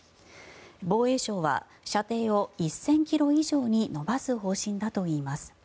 防衛省は射程を１０００ｋｍ以上に伸ばす方針だといいます。